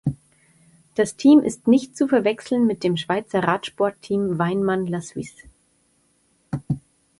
Das Team ist nicht zu verwechseln mit dem Schweizer Radsportteam Weinmann–La Suisse.